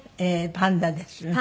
パンダです。